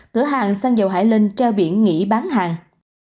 cửa hàng xăng dầu hải linh treo biển nghỉ bán hàng